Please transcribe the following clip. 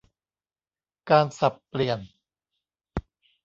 การสับเปลี่ยน